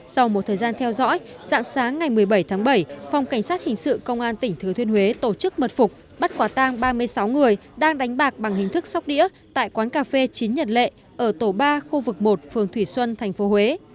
sau một thời gian theo dõi dạng sáng ngày một mươi bảy tháng bảy phòng cảnh sát hình sự công an tỉnh thứ thiên huế tổ chức mật phục bắt quả tang ba mươi sáu người đang đánh bạc bằng hình thức sóc đĩa tại quán cà phê chín nhật lệ ở tổ ba khu vực một phường thủy xuân tp huế